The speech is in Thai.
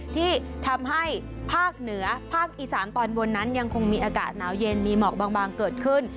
ที่ทำให้ภาคเหนือภาคอีสานตอนบนนั้นยังคงมีอากาศหนาวเย็นมีหมอกบางเกิดขึ้น